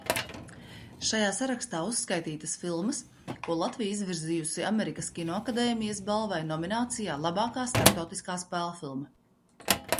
"Šajā sarakstā uzskaitītas filmas, ko Latvija virzījusi Amerikas Kinoakadēmijas balvai nominācijā "Labākā starptautiskā spēlfilma"."